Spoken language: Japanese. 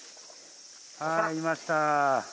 いました。